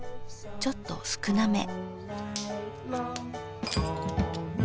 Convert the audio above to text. ちょっと少なめ。